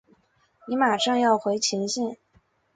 你要马上回前线。